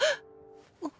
あっ。